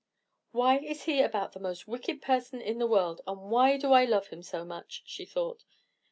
"Why is he about the most wicked person in the world, and why do I love him so much?" she thought.